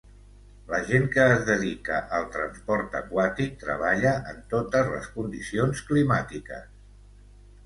La gent que es dedica al transport aquàtic treballa en totes les condicions climàtiques.